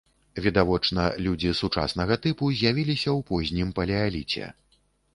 Відавочна, людзі сучаснага тыпу з'явіліся ў познім палеаліце.